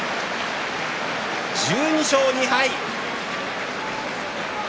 １２勝２敗。